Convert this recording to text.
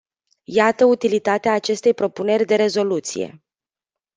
Iată utilitatea acestei propuneri de rezoluție.